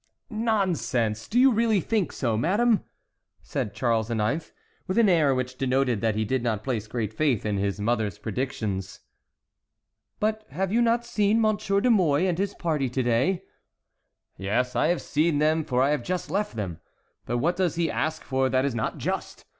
"Nonsense! Do you really think so, madame?" said Charles IX., with an air which denoted that he did not place great faith in his mother's predictions. "But have you not seen M. de Mouy and his party to day?" "Yes; I have seen them, for I have just left them. But what does he ask for that is not just?